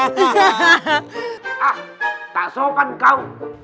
ah tak sopan kau